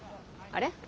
あれ？